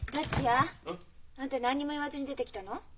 うん？あんた何にも言わずに出てきたの？